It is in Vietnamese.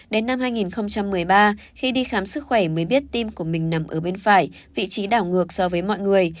đến năm hai nghìn một mươi ba khi đi khám sức khỏe mới biết tim của mình nằm ở bên phải vị trí đảo ngược so với mọi người